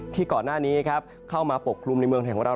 ที่ก่อนหน้านี้เข้ามาปกคลุมในเมืองไทยของเรา